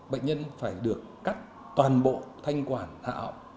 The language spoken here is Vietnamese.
bệnh nhân phải được cắt toàn bộ thanh quản hạ ọng